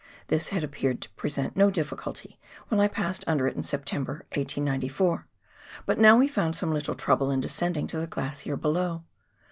This had appeared to present no difficulty when I passed under it in September, 1894, but now we found some little trouble in descending to the glacier below.